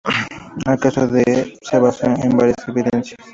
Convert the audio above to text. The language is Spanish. El caso se basó en varias evidencias.